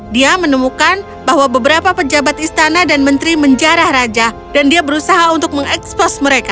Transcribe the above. dia menemukan bahwa beberapa pejabat istana dan menteri menjarah raja dan dia berusaha untuk mengekspos mereka